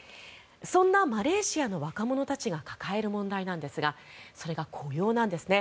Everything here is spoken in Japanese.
そんなマレーシアの若者たちが抱える問題なんですがそれが雇用なんです。